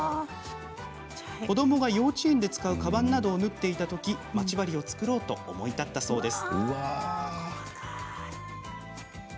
子どもが幼稚園で使うかばんなどを縫っていたときまち針を作ろうと思い立ったそうです。